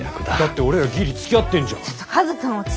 だって俺らギリつきあってんじゃん。